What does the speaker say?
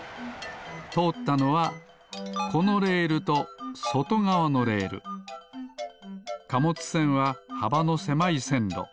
とおったのはこのレールとそとがわのレール。かもつせんははばのせまいせんろ。